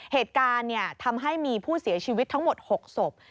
เหตุการณ์ทำให้มีผู้เสียชีวิตทั้งหมด๖ศพ